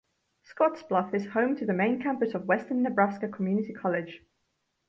Scottsbluff is home to the main campus of Western Nebraska Community College.